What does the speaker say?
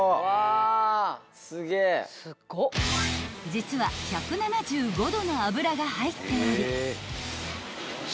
［実は１７５℃の油が入っており］